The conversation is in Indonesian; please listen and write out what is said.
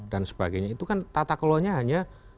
dan sebagainya itu kan tata kelola nya hanya